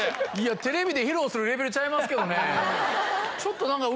テレビで披露するレベルちゃいますけどね。